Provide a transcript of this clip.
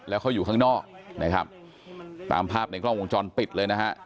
แล้วเขาอยู่ข้างนอกนะครับตามภาพในกล้องวงจรปิดเลยนะฮะ